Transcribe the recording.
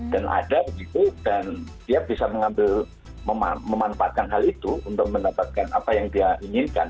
dan ada gitu dan dia bisa mengambil memanfaatkan hal itu untuk mendapatkan apa yang dia inginkan